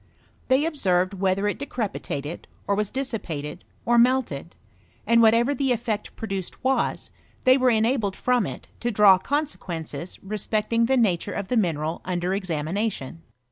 They observed whether it decrepitated, or was dissipated, or melted; and whatever the effect produced was, they were enabled from it to draw consequences respecting the nature of the mineral under exa mination.